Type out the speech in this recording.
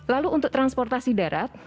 lalu untuk transportasi darat